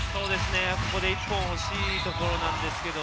ここで一本欲しいところなんですけど。